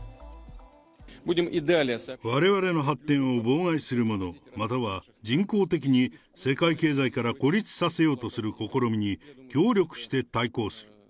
われわれの発展を妨害する者、または人工的に世界経済から孤立させようとする試みに協力して対抗する。